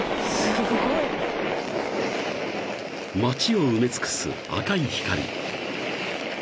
［町を埋め尽くす赤い光］